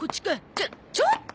ちょちょっと！